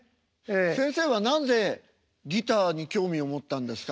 先生はなぜギターに興味を持ったんですか？